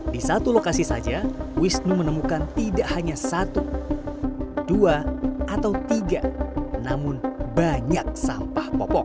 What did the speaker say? di satu lokasi saja wisnu menemukan tidak hanya satu dua atau tiga namun banyak sampah popok